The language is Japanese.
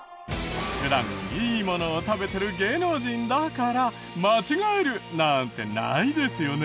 普段いいものを食べてる芸能人だから間違えるなんてないですよね？